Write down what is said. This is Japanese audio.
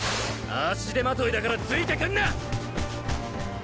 足手まといだからついてくんな！